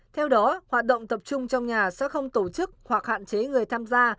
theo đó hoạt động tập trung trong nhà sẽ không tổ chức hoặc hạn chế người tham gia